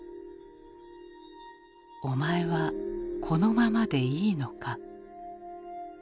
お前はこのままでいいのか。